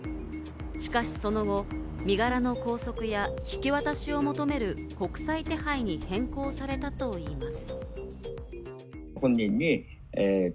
しかし、その後、身柄の拘束や、引き渡しを求める国際手配に変更されたといいます。